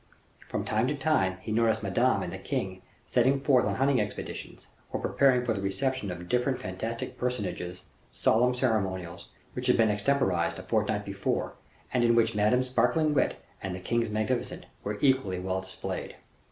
From time to time, he noticed Madame and the king setting forth on hunting expeditions, or preparing for the reception of different fantastic personages, solemn ceremonials, which had been extemporized a fortnight before, and in which Madame's sparkling wit and the king's magnificence were equally well displayed.